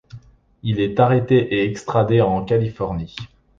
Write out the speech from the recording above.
Il est arrêté et extradé en Californie.